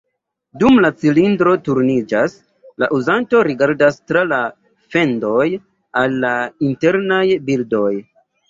Dum la cilindro turniĝas, la uzanto rigardas tra la fendoj al la internaj bildoj.